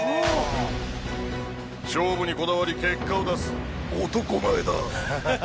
勝負にこだわり結果を出す男前だ！